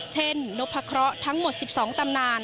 เช่นนพครทั้งหมด๑๒ตำนาน